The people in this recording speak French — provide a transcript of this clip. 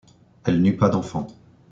Elle n'eut pas d'enfants.